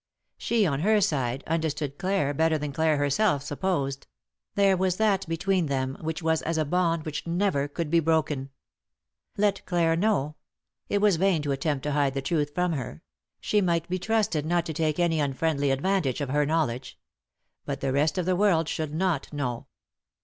She, on her side, understood Clare better than Clare herself sup posed ; there was that between them which was as a bond which never could be broken. Let Clare know — it was vain to attempt to hide the truth from her ; she might be trusted not to take any unfriendly advantage of her knowledge. But the rest of the world should not know.